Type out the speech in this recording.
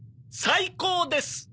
最高です！